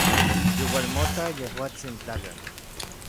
Youalmotak yejuatsin tlakatl.